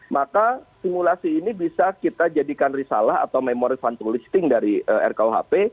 maka simulasi ini bisa kita jadikan risalah atau memory fund to listing dari rkuhp